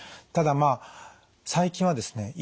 ただまあ最近はですね